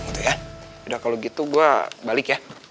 udah kalau gitu gue balik ya